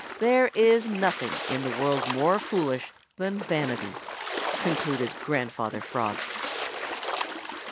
There is nothing in the world more foolish than vanity," concluded Grandfather Frog.